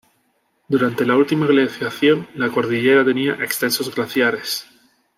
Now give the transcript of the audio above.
Durante la última glaciación la cordillera tenía extensos glaciares.